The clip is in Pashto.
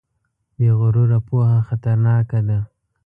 بې غروره پوهه خطرناکه ده.